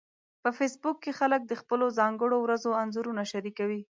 په فېسبوک کې خلک د خپلو ځانګړو ورځو انځورونه شریکوي